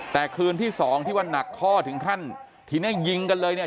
แต่คืนที่สองที่ว่านักข้อถึงขั้นทีเนี้ยยิงกันเลยเนี่ย